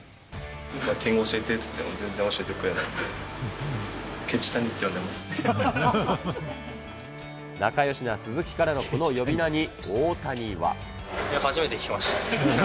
バッティング教えてって言っても全然教えてくれないので、仲よしな鈴木からのこの呼び名に、初めて聞きました。